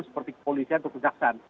seperti kepolisian atau kejaksaan